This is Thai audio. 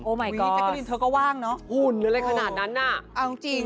โอ้มายก๊อดจั๊กรีนเธอก็ว่างเนาะหุ่นอะไรขนาดนั้นน่ะจริงจริง